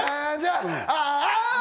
ああ！